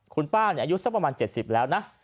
คุณป้านี่อายุสักประมาณเจ็ดสี่บแล้วนะ